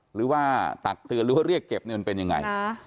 หรือว่าตัดเตือนหรือว่าเรียกเก็บมันเป็นยังไง